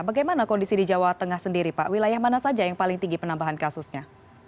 bagaimana kondisi di jawa tengah sendiri pak wilayah mana saja yang paling tinggi penambahan kasusnya